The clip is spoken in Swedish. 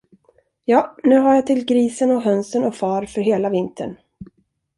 Ja, nu har jag till grisen och hönsen och far för hela vintern.